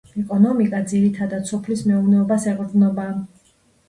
ეკონომიკა ძირითადად სოფლის მეურნეობას ეყრდნობა.